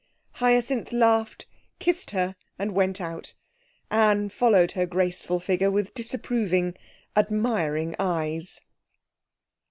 Hyacinth laughed, kissed her, and went out. Anne followed her graceful figure with disapproving, admiring eyes.